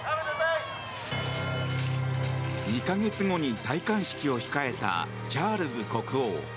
２か月後に戴冠式を控えたチャールズ国王。